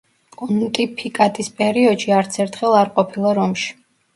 პონტიფიკატის პერიოდში არც ერთხელ არ ყოფილა რომში.